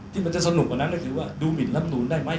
ที่มันจะสนุกกว่านั้นก็คือว่าดูหมินรับนูนได้ไหม